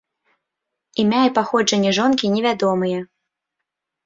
Імя і паходжанне жонкі невядомыя.